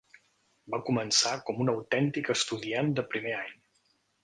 Va començar com un autèntic estudiant de primer any.